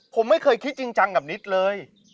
ผมไม่เคยคิดจริงจังกับนิดเลย